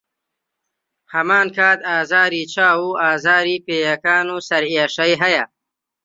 هەمانکات ئازاری چاو و ئازاری پێیەکان و سەرئێشەی هەیە.